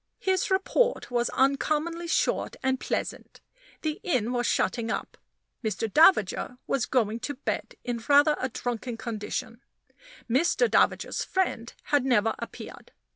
His report was uncommonly short and pleasant. The inn was shutting up; Mr. Davager was going to bed in rather a drunken condition; Mr. Davager's friend had never appeared.